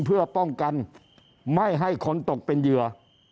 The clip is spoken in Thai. เพื่อป้องกันไม่ให้คนตกเป็นเหยื่อ